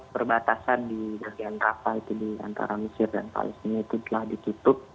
perbatasan di bagian rafa itu di antara mesir dan palestina itu telah ditutup